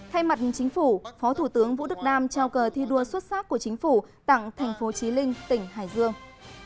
thay mặt chính phủ phó thủ tướng vũ đức đam trao cờ thi đua xuất sắc của chính phủ tặng thành phố trí linh tỉnh hải dương